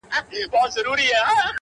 راوړم سکروټې تر دې لویي بنگلي پوري؛